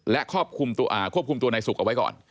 และควบคุมตัวในศุกร์เอาไว้ก่อน